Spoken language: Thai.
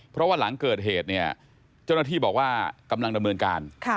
เพราะว่าหลังเกิดเหตุเนี่ยเจ้าหน้าที่บอกว่ากำลังดำเนินการ